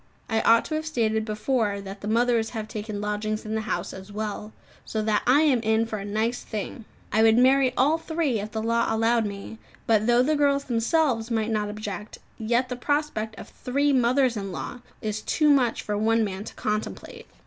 I ought to have stated before that the mothers have taken lodgings in the house as well, so that I am in for a nice thing! I would marry all three if the law allowed me; but though the girls themselves might not object, yet the prospect of three mothers in law is too much for one man to contemplate.